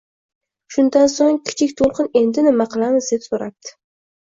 Shundan so‘ng kichik to‘lqin “Endi nima qilamiz?” deb so‘rabdi